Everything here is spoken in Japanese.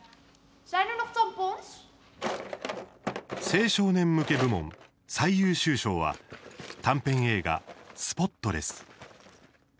青少年向け部門、最優秀賞は短編映画「スポットレス」。